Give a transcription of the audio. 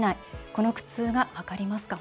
この苦痛が分かりますか？